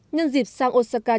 nhân dịp sang osaka nhật bản